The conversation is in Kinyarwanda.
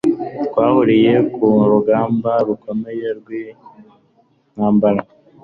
Twahuriye ku rugamba rukomeye rwiyo ntambara